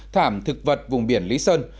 thảm thực vật vùng biển lý sơn